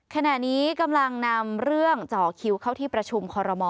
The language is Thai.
ขณะนี้กำลังนำเรื่องเจาะคิวเข้าที่ประชุมคอรมอ